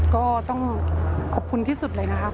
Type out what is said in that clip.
ก็ต้องขอบคุณที่สุดเลยนะครับ